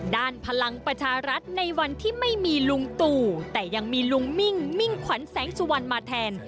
พลังประชารัฐในวันที่ไม่มีลุงตู่แต่ยังมีลุงมิ่งมิ่งขวัญแสงสุวรรณมาแทน